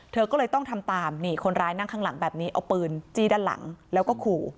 เธอก็เลยต้องทำตามนี่คนร้ายนั่งข้างหลังแบบนี้เอาปืนจี้ด้านหลังแล้วก็ขู่